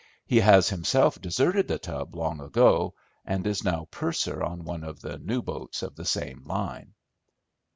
He has himself deserted The Tub long ago, and is now purser on one of the new boats of the same line.